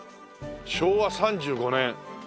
昭和３５年。